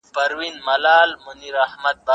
ابداليانو په هرات کې هم ورته کار وکړ.